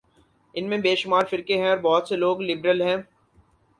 ان میں بے شمار فرقے ہیں اور بہت سے لوگ لبرل ہیں۔